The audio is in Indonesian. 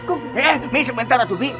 eh eh mi sebentar atuh umi